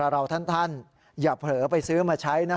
เราท่านอย่าเผลอไปซื้อมาใช้นะ